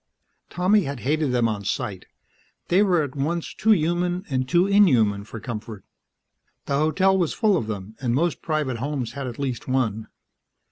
Tommy had hated them on sight; they were at once too human and too inhuman for comfort. The hotel was full of them, and most private homes had at least one.